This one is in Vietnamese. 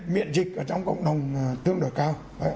miễn dịch ở trong cộng đồng tương đối cao